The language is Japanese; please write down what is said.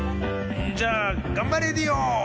じゃあ「がんばレディオ！」。